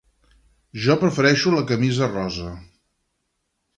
Jo prefereixo la camisa rosa.